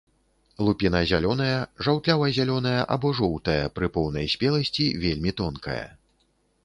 Лупіна зялёная, жаўтлява-зялёная або жоўтая, пры поўнай спеласці вельмі тонкая.